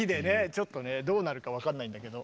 ちょっとねどうなるか分かんないんだけど。